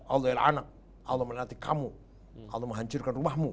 allah menanti kamu allah menghancurkan rumahmu